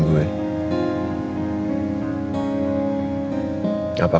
apa gue siapkan